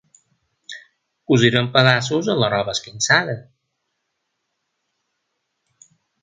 Cosirem pedaços a la roba esquinçada.